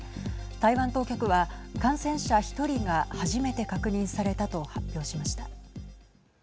台湾当局は感染者１人が初めて確認されたと発表しました。